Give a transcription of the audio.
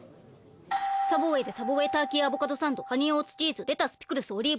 サボウェイでサボウェイターキーアボカドサンドハニーオーツチーズレタスピクルスオリーブ多め。